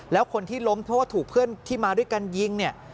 แล้วคนที่ล้มเพราะว่าถูกเพื่อนที่มาด้วยกันยิงเนี่ย